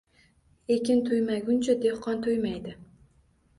Ekin to‘ymaguncha, dehqon to‘ymaydi